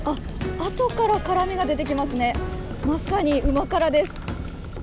あとから辛味が出てきますね、まさに旨辛です。